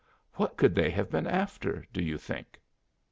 "What could they have been after, do you think?"